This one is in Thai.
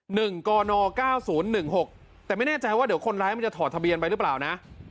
หนึ่งกนเก้าศูนย์หนึ่งหกแต่ไม่แน่ใจว่าเดี๋ยวคนร้ายมันจะถอดทะเบียนไปหรือเปล่านะ